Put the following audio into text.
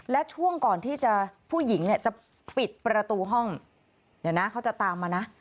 และช่วงก่อนที่จะผู้หญิงเนี่ยจะปิดประตูห้องเดี๋ยวนะเขาจะตามมานะ